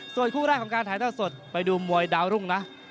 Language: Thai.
ส่วนคู่แรกของการถ่ายทอดสดไปดูมวยดาวรุ่งนะ